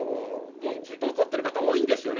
もう、本当に怒っている方が多いんですよね。